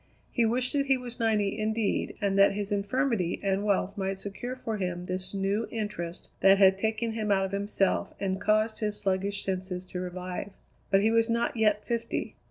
He wished that he was ninety, indeed, and that his infirmity and wealth might secure for him this new interest that had taken him out of himself and caused his sluggish senses to revive. But he was not yet fifty.